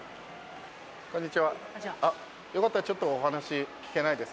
よかったらちょっとお話聞けないですか？